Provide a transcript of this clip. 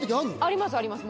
ありますあります